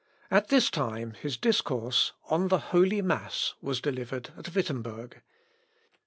At this time his discourse, 'On the Holy Mass,' was delivered at Wittemberg.